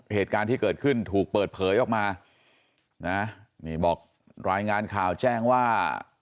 เหตุการณ์ที่เกิดขึ้นถูกเปิดเผยออกมานะนี่บอกรายงานข่าวแจ้งว่า